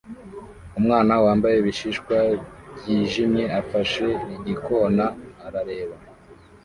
Umwana wambaye ibishishwa byijimye afashe igikona arareba